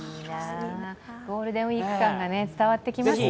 ゴールデンウイーク感が伝わってきますね。